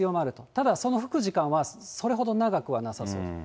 ただその吹く時間は、それほど長くはなさそうです。